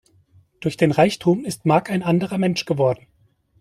Durch den Reichtum ist Mark ein anderer Mensch geworden.